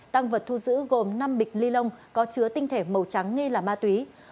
tăng vật thu giữ gồm năm bịch ly lông có chứa tinh thể màu trắng ngay là ma túy